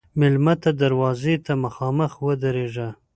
مېلمه ته دروازې ته مخامخ ودریږه.